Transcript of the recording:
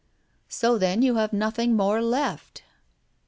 "So then, you have nothing more left."